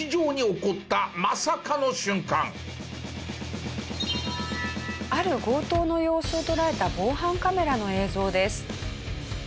続いてはある強盗の様子を捉えた防犯カメラの映像です。